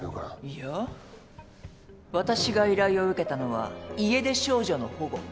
いや私が依頼を受けたのは家出少女の保護。